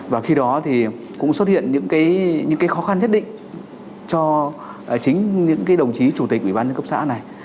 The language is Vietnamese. và khi đó thì cũng xuất hiện những cái khó khăn nhất định cho chính những cái đồng chí chủ tịch ủy ban nhân cấp xã này